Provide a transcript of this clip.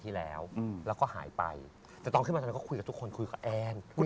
แต่เขาตัดได้มั้ยอันนี้อย่างนี้อย่างนี้อย่างนี้